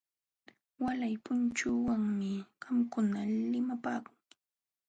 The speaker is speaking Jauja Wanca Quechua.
Walay punchawmi qamkuna limapaakunki.